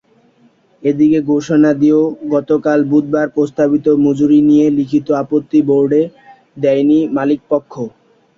এদিকে ঘোষণা দিয়েও গতকাল বুধবার প্রস্তাবিত মজুরি নিয়ে লিখিত আপত্তি বোর্ডে দেয়নি মালিকপক্ষ।